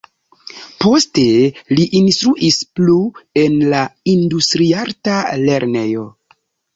Poste li instruis plu en la Industriarta Lernejo.